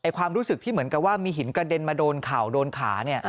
ความรู้สึกที่เหมือนกับว่ามีหินกระเด็นมาโดนเข่าโดนขา